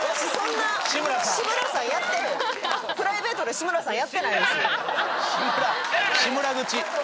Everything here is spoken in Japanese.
プライベートで志村さんやってないですよ。